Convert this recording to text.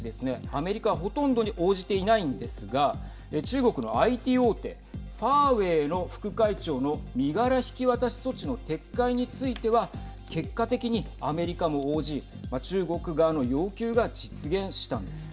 アメリカは、ほとんどに応じていないんですが中国のＩＴ大手ファーウェイの副会長の身柄引き渡し措置の撤回については結果的にアメリカも応じ中国側の要求が実現したんです。